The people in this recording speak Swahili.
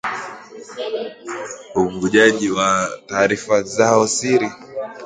uvujaji wa taarifa zao siri